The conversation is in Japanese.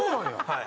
はい。